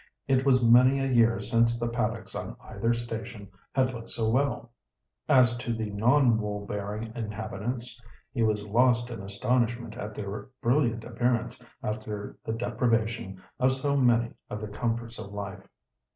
It was many a year since the paddocks on either station had looked so well. As to the non wool bearing inhabitants, he was lost in astonishment at their brilliant appearance after the deprivation of so many of the comforts of life.